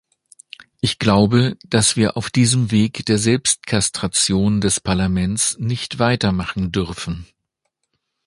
Ich glaube, dass wir auf diesem Weg der Selbstkastration des Parlaments nicht weitermachen dürfen.